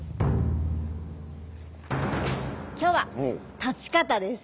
今日は立ち方です。